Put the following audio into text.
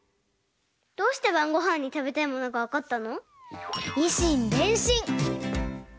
どうしてばんごはんにたべたいものがわかったの？